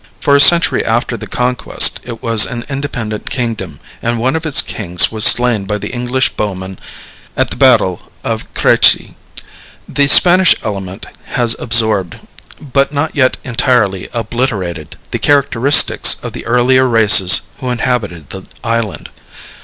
For a century after the conquest it was an independent kingdom, and one of its kings was slain by the English bowmen at the battle of Crecy. The Spanish element has absorbed, but not yet entirely obliterated, the characteristics of the earlier races who inhabited the island.